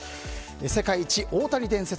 世界一大谷伝説。